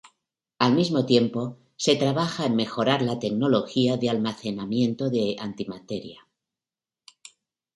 Al mismo tiempo, se trabaja en mejorar la tecnología de almacenamiento de antimateria.